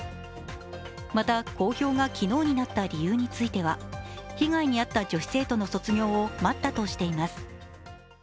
また公表が昨日になった理由については被害に遭った女子生徒の卒業を待ったとしています。